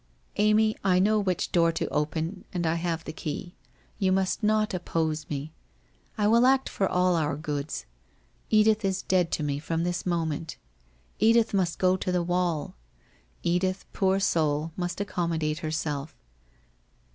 ' Amy, I know which door to open and I have the key. You must not oppose me. I will act for all our goods. Edith is dead to me, from this moment. Edith must go to the wall. Edith, poor soul, must ac commodate herself